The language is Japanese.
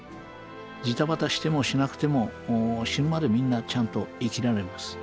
ジタバタしてもしなくても死ぬまでみんなちゃんと生きられます。